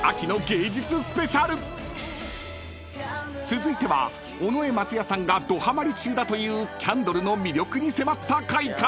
［続いては尾上松也さんがどハマり中だというキャンドルの魅力に迫った回から］